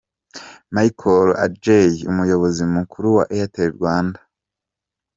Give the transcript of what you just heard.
Michael Adjei umuyobozi mukuru wa Airtel Rwanda.